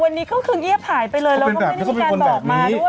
แต่วันนี้เขาคือเยียบหายไปเลยแล้วเขาไม่ได้มีการบอกมาด้วยอ่ะ